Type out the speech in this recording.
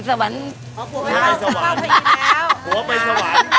ถว่าไปสวรรค์